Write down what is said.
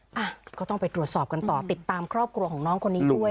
อ่ะก็ต้องไปตรวจสอบกันต่อติดตามครอบครัวของน้องคนนี้ด้วย